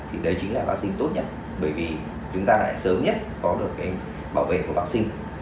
thì đấy chính là vaccine tốt nhất bởi vì chúng ta lại sớm nhất có được cái bảo vệ của bác sĩ